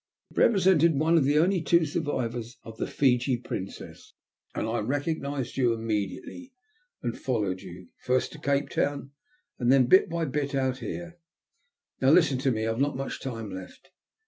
It represented one of the only two survivors of the Fiji Princess, and I recognised you immediately, and followed you, first to Cape Town and then, bit by bit, out here. Now listen to me, for I've not much time left.